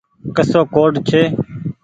ڪسو ڪوڊ ڇي۔